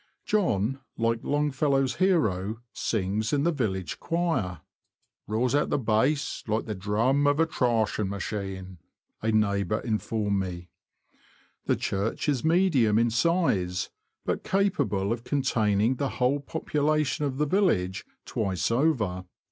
John, like Longfellow's hero, sings in the village choir; ''roars out the bass like the drum of a threshing machine," a neighbour informed me. The church is medium in size, but capable of con taining the whole population of the village twice over.